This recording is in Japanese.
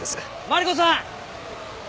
マリコさん！